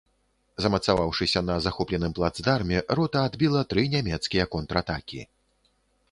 Замацаваўшыся на захопленым плацдарме, рота адбіла тры нямецкія контратакі.